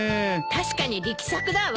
確かに力作だわ。